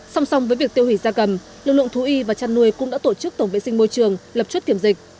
song song với việc tiêu hủy gia cầm lực lượng thú y và chăn nuôi cũng đã tổ chức tổng vệ sinh môi trường lập chốt kiểm dịch